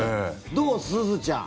どう、すずちゃん？